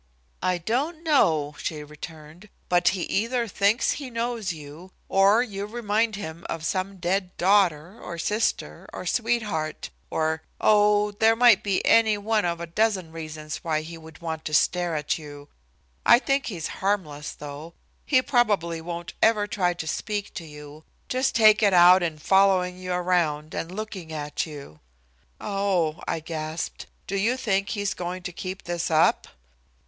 "I don't know," she returned, "but he either thinks he knows you, or you remind him of some dead daughter, or sister or sweetheart, or oh, there might be any one of a dozen reasons why he would want to stare at you. I think he's harmless, though. He probably won't ever try to speak to you just take it out in following you around and looking at you." "Oh," I gasped, "do you think he's going to keep this up?"